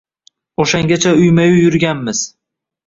Oʻshangacha uyma-uy yurganmiz.